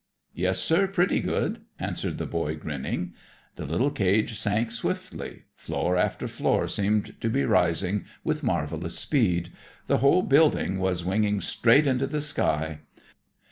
"Yes, sir, pretty good," answered the boy, grinning. The little cage sank swiftly. Floor after floor seemed to be rising with marvelous speed; the whole building was winging straight into the sky.